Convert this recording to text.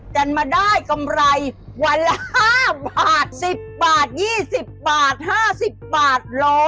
จะมาได้กำไรวันละ๕บาท๑๐บาท๒๐บาท๕๐บาท๑๐๐